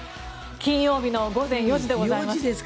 金曜日の午前４時でございます。